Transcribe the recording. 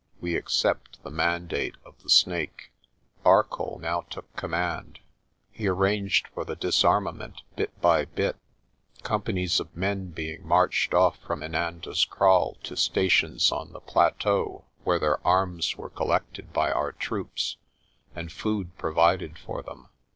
"We accept the mandate of the Snake." Arcoll now took command. He arranged for the dis armament bit by bit, companies of men being marched off from Inanda's Kraal to stations on the plateau where their arms were collected by our troops and food provided for them.